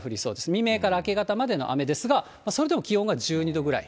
未明から明け方までの雨ですが、それでも気温は１２度ぐらい。